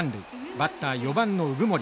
バッター４番の鵜久森。